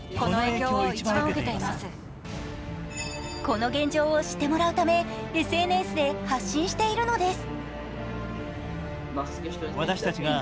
この現状を知ってもらうためＳＮＳで発信しているのです。